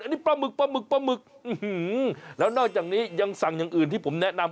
อันนี้ปลาหมึกแล้วนอกจากนี้ยังสั่งอย่างอื่นที่ผมแนะนำ